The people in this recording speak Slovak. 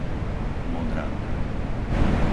Modranka